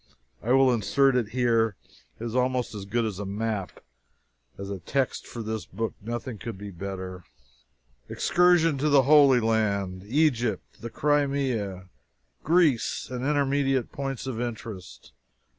I will insert it here. It is almost as good as a map. As a text for this book, nothing could be better: EXCURSION TO THE HOLY LAND, EGYPT, THE CRIMEA, GREECE, AND INTERMEDIATE POINTS OF INTEREST.